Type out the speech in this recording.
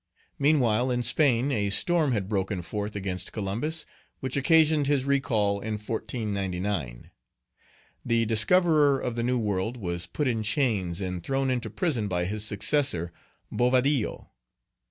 Meanwhile, in Spain, a storm had broken forth against Columbus, which occasioned his recall in 1499. The discoverer of the New World was put in chains and thrown into prison by his successor, Bovadillo.